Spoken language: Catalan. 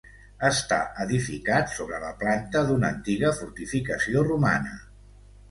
Està edificat sobre la planta d'una antiga fortificació romana.